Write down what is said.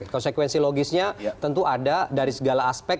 konsekuensi logisnya tentu ada dari segala aspek